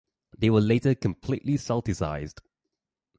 They were later completely Celticized.